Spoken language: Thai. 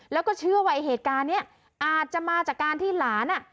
แล้วก็เชื่อว่าไอ้เหตุการณ์นี้อาจจะมาจากการที่หลานอ่ะ